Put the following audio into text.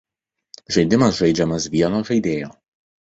Žaidimas žaidžiamas vieno žaidėjo.